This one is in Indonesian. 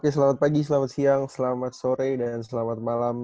selamat pagi selamat siang selamat sore dan selamat malam